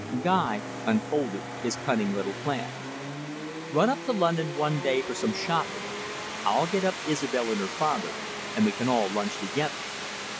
Guy unfolded his cunning little plan. "Run up to London one day for some shopping. I'll get up Isobel and her father, and we can all lunch together.